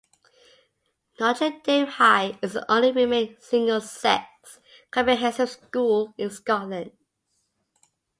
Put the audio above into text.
Notre Dame High is the only remaining single sex comprehensive school in Scotland.